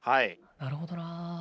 なるほどな。